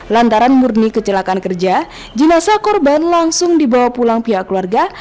lantaran murni kecelakaan kerja jenazah korban langsung dibawa pulang pihak keluarga